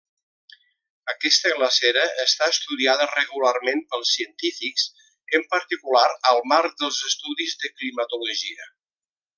Aquesta glacera està estudiada regularment pels científics, en particular al marc dels estudis de climatologia.